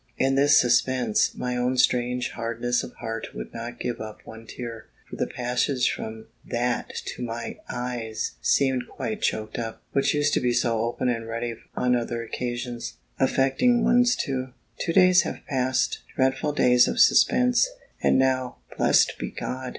In this suspense, my own strange hardness of heart would not give up one tear, for the passage from that to my eyes seemed quite choaked up, which used to be so open and ready on other occasions, affecting ones too. Two days have passed, dreadful days of suspense: and now, blessed be God!